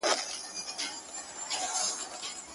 اوس له شپو سره راځي اغزن خوبونه-